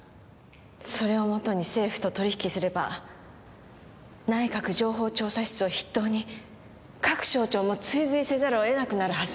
それをもとに政府と取り引きすれば内閣情報調査室を筆頭に各省庁も追随せざるを得なくなるはず。